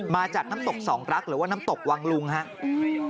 มาจากน้ำตกสองรักหรือว่าน้ำตกวังลุงครับ